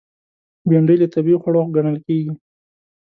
بېنډۍ له طبیعي خوړو ګڼل کېږي